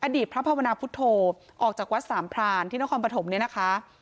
อดีตพระภาวนาพุทธโธออกจากวัดสามพรานที่นครปฐมเนี่ยนะคะ